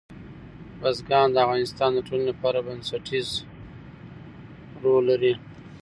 بزګان د افغانستان د ټولنې لپاره بنسټيز رول لري.